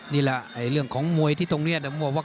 นี่แหละเรื่องของมวยที่ตรงนี้